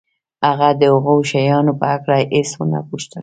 هغه د هغو شیانو په هکله هېڅ ونه پوښتل